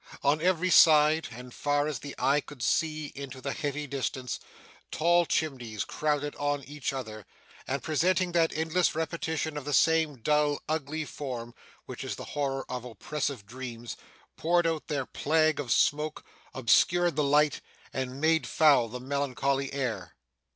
On every side, and far as the eye could see into the heavy distance, tall chimneys, crowding on each other, and presenting that endless repetition of the same dull, ugly form, which is the horror of oppressive dreams, poured out their plague of smoke, obscured the light, and made foul the melancholy air.